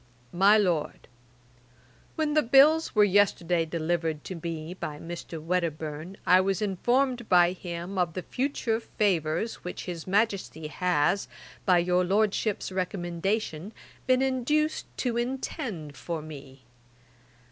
'MY LORD, 'When the bills were yesterday delivered to me by Mr. Wedderburne, I was informed by him of the future favours which his Majesty has, by your Lordship's recommendation, been induced to intend for me.